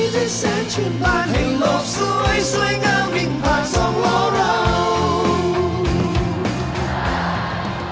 ปันปันจะกระยังกัน